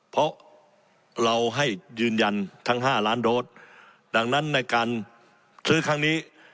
เพราะเราให้ยืนยันทั้ง๕ล้านโดสดังนั้นในการซื้อครั้งนี้